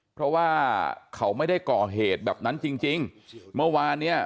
เพราะว่าเขาไม่ได้ก่อเหตุแบบนั้นจริงจริงเมื่อวานเนี้ย